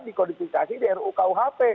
dikodifikasi di ru kuhp